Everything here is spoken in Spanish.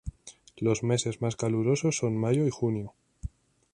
Los meses más calurosos son mayo y junio.